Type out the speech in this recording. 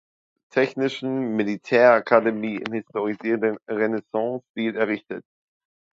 Technischen Militärakademie, im historisierenden Renaissancestil errichtet.